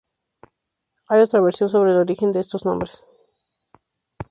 Hay otra versión sobre el origen de estos nombres.